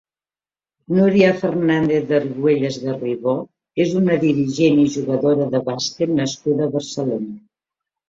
Núria Fernández-Argüelles Garrigó és una dirigent i jugadora de bàsquet nascuda a Barcelona.